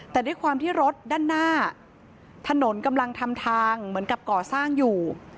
แต่ด้วยความที่รถด้านหน้าถนนกำลังทำทางเหมือนกับก่อสร้างอยู่